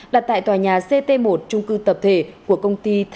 đặt tại tòa nhà ct một trung cư tập thể của công ty